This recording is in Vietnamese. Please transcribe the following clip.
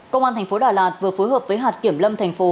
công an tp đà lạt vừa phối hợp với hạt kiểm lâm tp